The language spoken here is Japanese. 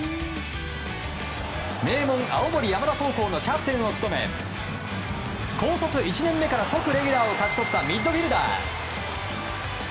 名門・青森山田高校のキャプテンを務め高卒１年目から即レギュラーを勝ち取ったミッドフィールダー。